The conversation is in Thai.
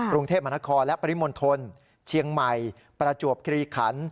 กรุงเทพมหานครและปริมณฑลเชียงใหม่ประจวบคลีขัน